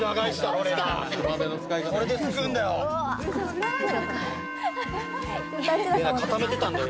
これですくうんだよ。